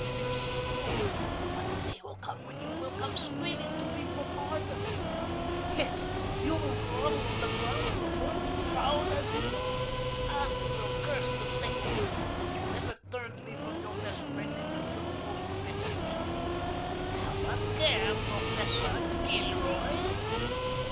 You smile, but the day will come when you will come screaming to me for pardon. Yes, you will grovel on the ground before me, proud as you are, and you will curse the day that ever you turned me from your best friend into your most bitter enemy. Have a care, Professor Gilroy!"